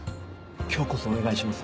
今日こそお願いします。